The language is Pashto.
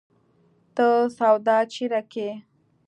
ته سودا چيري کيې؟